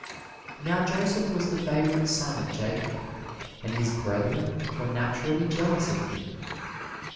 Now Joseph was the favorite son of Jacob, and his brethren were naturally jealous of him.